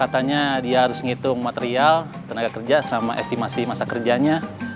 katanya dia harus ngitung material tenaga kerja sama estimasi masa kerjanya